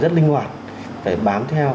rất linh hoạt phải bám theo